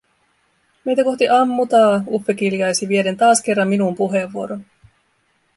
"Meitä kohti ammutaa!", Uffe kiljaisi vieden taas kerran minun puheenvuoroni.